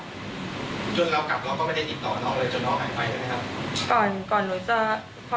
จนเรากลับแล้วก็ไม่ได้ติดต่อน้องเลยจนน้องหายไปแล้วไหมครับ